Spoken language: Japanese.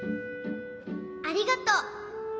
ありがとう。